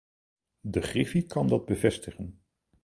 De griffie kan dat bevestigen.